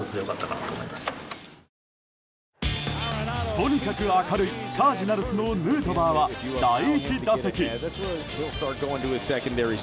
とにかく明るいカージナルスのヌートバーは第１打席。